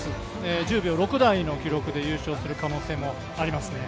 １０秒６台の記録で優勝する可能性もあります。